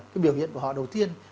cái biểu hiện của họ đầu tiên